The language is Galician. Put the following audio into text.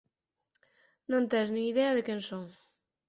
Non tes nin idea de quen son.